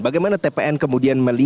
bagaimana tpn kemudian melihat